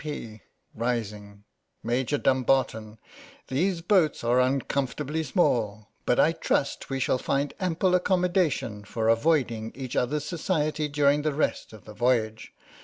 P, P. (rising) : Major Dumbarton, these boats are uncomfortably small, but I trust we shall find ample accommodation for avoiding each other's society during the rest of the voyage.